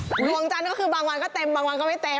ดวงจันทร์ก็คือบางวันก็เต็มบางวันก็ไม่เต็ม